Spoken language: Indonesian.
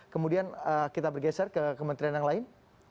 kemudian kita bergeser ke kementerian yang lain